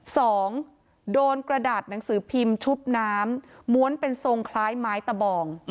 สองโดนกระดาษหนังสือพิมพ์ชุบน้ำม้วนเป็นทรงคล้ายไม้ตะบอง